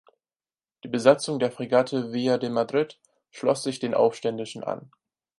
Die Besatzung der Fregatte "Villa de Madrid" schloss sich den Aufständischen an.